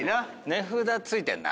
値札付いてんな。